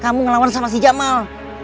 kamu mau ngelawan si jamal